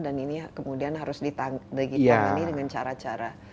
dan ini kemudian harus ditangani dengan cara cara